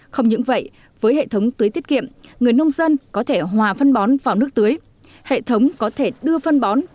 không những vậy với hệ thống tưới tiết kiệm người nông dân có thể hòa phân bón vào nước tưới hệ thống có thể đưa phân bón